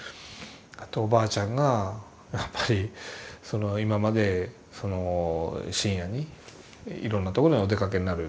あとおばあちゃんがやっぱりその今までその深夜にいろんなところにお出かけになる。